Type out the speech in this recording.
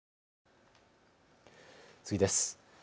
次です。